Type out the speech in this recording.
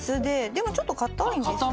でもちょっとかたいんですよね。